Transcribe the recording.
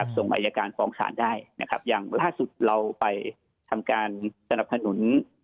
ส่งบรรยาการผองศาลได้อย่างเมื่อพลภาคสุดเราไปทำการสนับหนุน